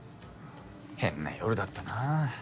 変な夜だったなぁ。